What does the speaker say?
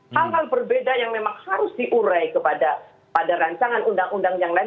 hal hal berbeda yang memang harus diurai kepada rancangan undang undang yang lain